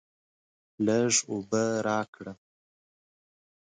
لږ اوبه راکړه.